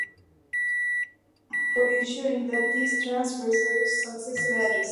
The slave is responsible for ensuring that these transfers use successive addresses.